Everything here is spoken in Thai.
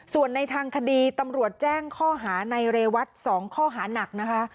ส่วนในทางคดีตำรวจแจ้งข้อหาในเรวัต๒ข้อหานักนะคะ